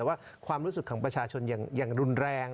แต่ว่าความรู้สึกของประชาชนอย่างรุนแรง